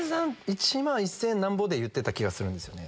１万１千何ぼで言ってた気がするんですよね。